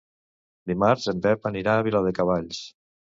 Dimarts en Pep anirà a Viladecavalls.